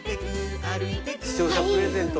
視聴者プレゼント